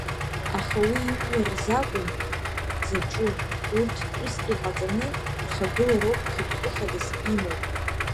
Аха уи ижәлар рзакәым дзаҿу урҭ тәыс иҟаҵаны рхагылароуп хықәкы хадас имоу.